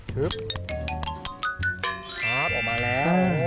ครับออกมาแล้ว